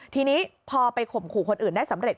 ทีนี้พอไปข่มขู่คนอื่นได้สำเร็จ